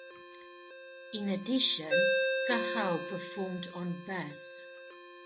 In addition, Cachao performed on bass.